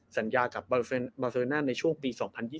สัญญากับบาเซอร์นั่นในช่วงปี๒๐๒๐